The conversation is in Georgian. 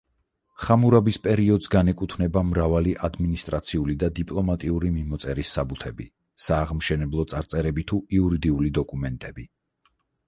ხამურაბის პერიოდს განეკუთვნება მრავალი ადმინისტრაციული და დიპლომატიური მიმოწერის საბუთები, სააღმშენებლო წარწერები თუ იურიდიული დოკუმენტები.